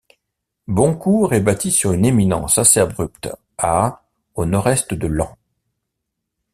Boncourt est bâti sur une éminence assez abrupte, à au nord-est de Laon.